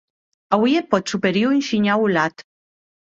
Auie eth pòt superior un shinhau holat.